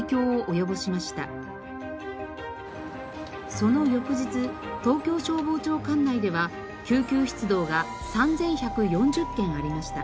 その翌日東京消防庁管内では救急出動が３１４０件ありました。